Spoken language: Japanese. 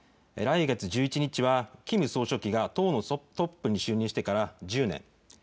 来月１１日は、キム総書記が党のトップに就任してから１０年。